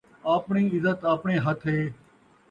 آپݨی عزت آپݨے ہتھ ہے